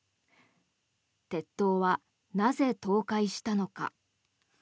鉄塔はなぜ、倒壊したのか。